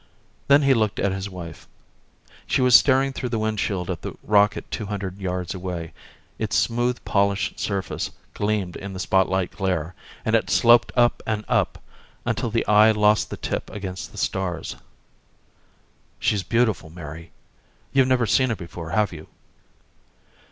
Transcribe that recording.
Then he looked at his wife. She was staring through the windshield at the rocket two hundred yards away. Its smooth polished surface gleamed in the spotlight glare, and it sloped up and up until the eye lost the tip against the stars. "She's beautiful, Mary. You've never seen her before, have you?"